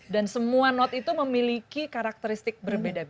dan semua note itu memiliki karakteristik berbeda